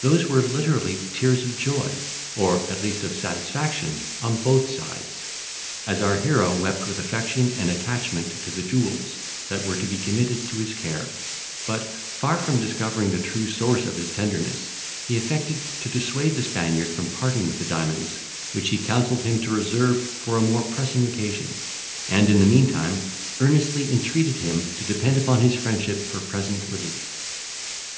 Those were literally tears of joy, or at least of satisfaction, on both sides; as our hero wept with affection and attachment to the jewels that were to be committed to his care; but, far from discovering the true source of his tenderness, he affected to dissuade the Spaniard from parting with the diamonds, which he counselled him to reserve for a more pressing occasion; and, in the meantime, earnestly entreated him to depend upon his friendship for present relief.